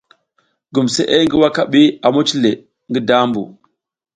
Gumsʼe ngi wakabi a muc le ngi dambu.